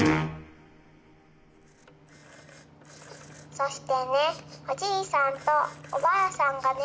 そしてねおじいさんとおばあさんがね